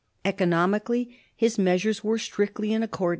Economically, his measures were strictly j n accord?